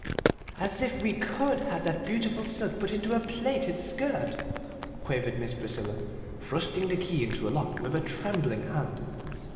"As if we could have that beautiful silk put into a plaited skirt!" quavered Miss Priscilla, thrusting the key into the lock with a trembling hand.